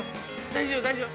大丈夫大丈夫。